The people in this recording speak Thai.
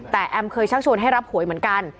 แต่แอมเคยชักชวนให้รับหวยเหมือนกัน